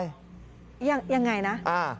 ยังไงนะ